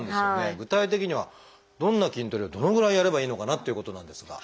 具体的にはどんな筋トレをどのぐらいやればいいのかなっていうことなんですが。